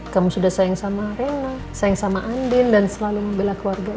kamu sudah sayang sama rena sayang sama andin dan selalu membela keluarga